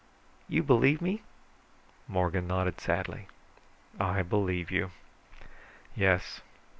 "You believe me?" Morgan nodded sadly. "I believe you. Yes.